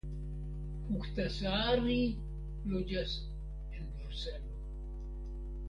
Huhtasaari loĝas en Bruselo.